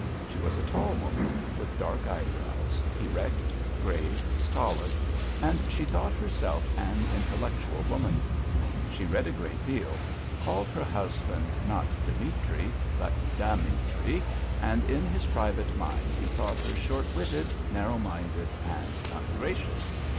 She was a tall woman, with dark eyebrows, erect, grave, stolid, and she thought herself an intellectual woman. She read a great deal, called her husband not Dimitri, but Demitri, and in his private mind he thought her short witted, narrow minded, and ungracious.